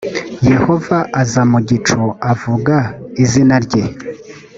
yehova aza mu gicu avuga izina rye